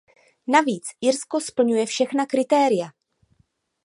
Navíc Irsko splňuje všechna kritéria.